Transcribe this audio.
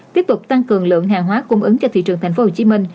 tiếp tục tăng cường lượng hàng hóa cung ứng cho thị trường tp hcm